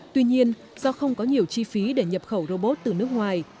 tuy nhiên do không có nhiều chi phí để nhập khẩu robot từ nước ngoài